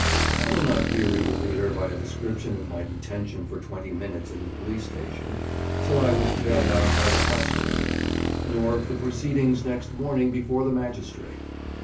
I will not weary the reader by a description of my detention for twenty minutes in the police station, till I was bailed out by a householder; nor of the proceedings next morning before the magistrate.